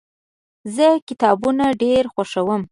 زه کتابونه ډیر خوښوم.